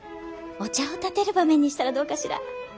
お茶をたてる場面にしたらどうかしら。